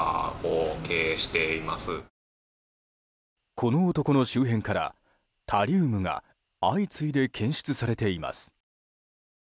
この男の周辺から、タリウムが相次いで検出されています。